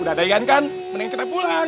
udah ada ikan kan mending kita pulang